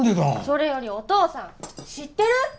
それよりお父さん知ってる？